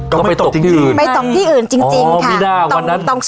ก็ไม่ตกที่อื่น